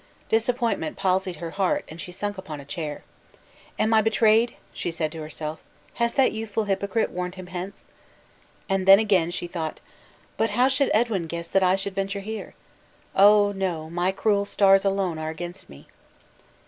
Disappointment palsied her heart, and she sunk upon a chair. "Am I betrayed?" said she to herself: "Has that youthful hypocrite warned him hence?" And then again she thought, "But how should Edwin guess that I should venture here? Oh, no, my cruel stars alone are against me!"